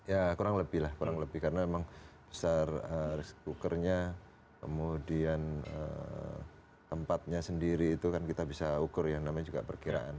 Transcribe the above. ya kurang lebih lah kurang lebih karena memang besar risk cookernya kemudian tempatnya sendiri itu kan kita bisa ukur yang namanya juga perkiraan